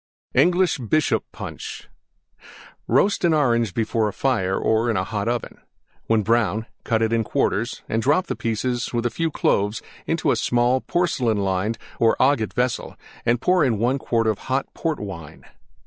ENGLISH BISHOP PUNCH Roast an Orange before a fire or in a hot oven. When brown cut it in quarters and drop the pieces, with a few Cloves, into a small porcelain lined or agate vessel, and pour in 1 quart of hot Port Wine.